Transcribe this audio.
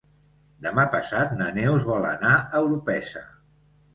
Demà passat na Neus vol anar a Orpesa.